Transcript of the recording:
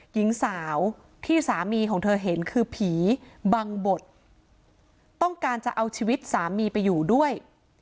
หญิงสาวที่สามีของเธอเห็นคือผีบังบดต้องการจะเอาชีวิตสามีไปอยู่ด้วย